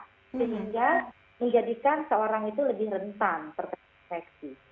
sehingga menjadikan seorang itu lebih rentan terkena infeksi